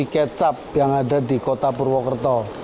kecap yang ada di kota purwokerto